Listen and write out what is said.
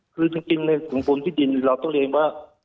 คือจริงในสังคมที่ดินเราต้องเรียนว่า